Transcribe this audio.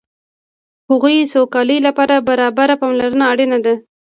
د هغوی سوکالۍ لپاره برابره پاملرنه اړینه ده.